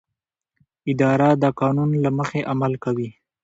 اداره د قانون له مخې عمل کوي.